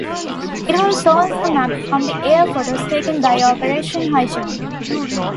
It was also mapped from the air photos taken by Operation Highjump.